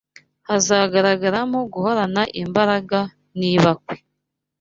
hazagaragaramo guhorana imbaraga n’ibakwe